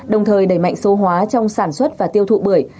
đồng thời đẩy mạnh số hóa trong sản xuất và tiêu thụ bưởi